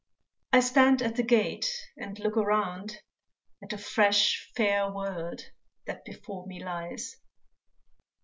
I stand at the gate and look around At the fresh, fair world that before me lies.